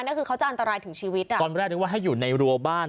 นั่นคือเขาจะอันตรายถึงชีวิตอ่ะตอนแรกนึกว่าให้อยู่ในรัวบ้าน